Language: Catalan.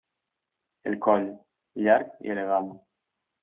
El coll, llarg i elegant.